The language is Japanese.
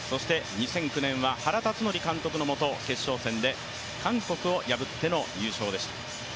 ２００９年は原辰徳監督のもと決勝戦で韓国を破っての優勝でした。